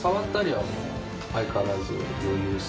相変わらず。